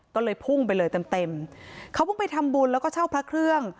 ต้องเลยพุ่งไปเลยเต็มเขาพงไปทำบุญและเช่าพระเครื่อง